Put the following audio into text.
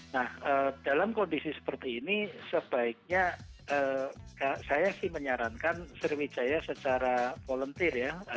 nah dalam kondisi seperti ini sebaiknya saya sih menyarankan sriwidaya secara volenternya